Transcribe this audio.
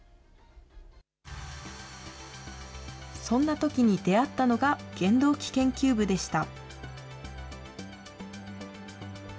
そんなときに出会ったのが原動機研究部でした。